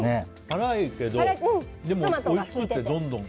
辛いけどでもおいしくてどんどん。